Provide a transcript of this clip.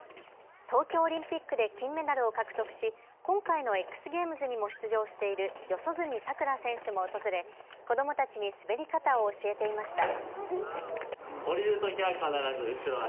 東京オリンピックで金メダルを獲得し、今回のＸゲームズにも出場している四十住さくら選手も訪れ、子どもたちに滑り方を教えていました。